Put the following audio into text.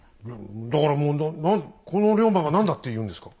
だからもうこの龍馬が何だっていうんですか。